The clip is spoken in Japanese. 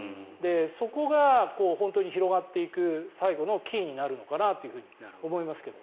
そこが本当に広がっていく最後のキーになるのかなと思いますけど。